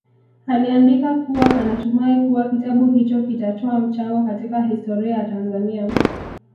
Aliandika kuwa anatumai kuwa kitabu hicho kitatoa mchango katika historia ya Tanzania